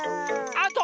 あと！